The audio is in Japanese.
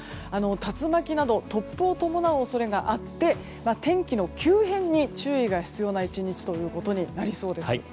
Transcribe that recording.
竜巻など突風を伴う恐れがあって天気の急変に注意が必要な１日となりそうです。